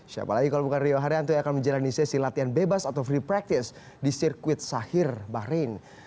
siapa lagi kalau bukan rio haryanto yang akan menjalani sesi latihan bebas atau free practice di sirkuit sahir bahrain